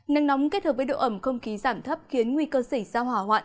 nắng nóng kết hợp với độ ẩm không khí giảm thấp khiến nguy cơ sỉ sao hỏa hoạn